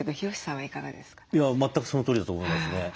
全くそのとおりだと思いますね。